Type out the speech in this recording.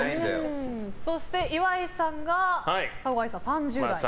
そして、岩井さんが加護亜依さん、３０代。